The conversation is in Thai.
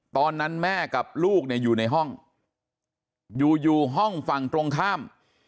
ตอนนั้นแม่กับลูกเนี่ยอยู่ในห้องอยู่อยู่ห้องฝั่งตรงข้าม